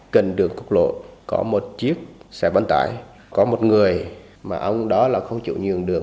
cần đường cục lộ có một chiếc xe văn tải có một người mà ông đó là không chịu nhường đường